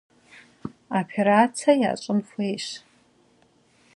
Vopêratse vuş'ın xuêyş.